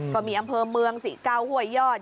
ก็มีอำเภอเมืองสิเก้าห้วยยอด